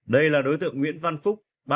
đây là đối tượng nguyễn văn phúc